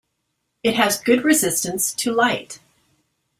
It has good resistance to light.